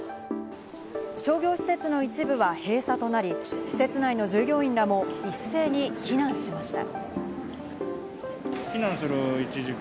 商業施設の一部は閉鎖となり、施設内の従業員らも一斉に避難しました。